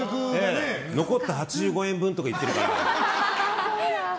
残った８５円分とか言ってるから。